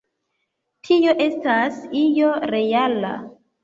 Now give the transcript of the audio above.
Tie estas io reala.